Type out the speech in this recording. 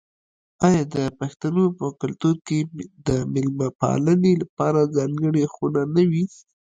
آیا د پښتنو په کلتور کې د میلمه پالنې لپاره ځانګړې خونه نه وي؟